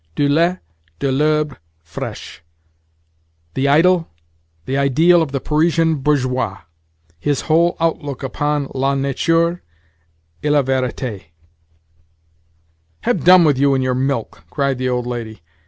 "Du lait, de l'herbe fraiche"—the idyll, the ideal of the Parisian bourgeois—his whole outlook upon "la nature et la verité"! "Have done with you and your milk!" cried the old lady.